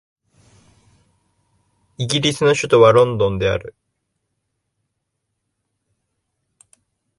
イギリスの首都はロンドンである